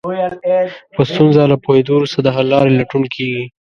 په ستونزه له پوهېدو وروسته د حل لارې لټون کېږي.